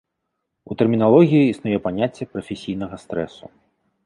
У тэрміналогіі існуе паняцце прафесійнага стрэсу.